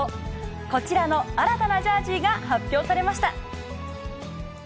こちらの新たなジャージが発表されました。